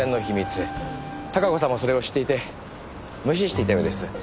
孝子さんもそれを知っていて無視していたようです。